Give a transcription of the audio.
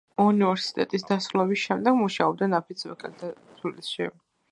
უნივერსიტეტის დასრულების შემდეგ მუშაობდა ნაფიც ვექილად თბილისში.